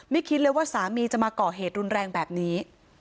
คิดเลยว่าสามีจะมาก่อเหตุรุนแรงแบบนี้